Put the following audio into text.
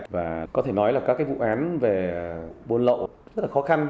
và có thể nói là các vụ án về buôn lậu rất là khó khăn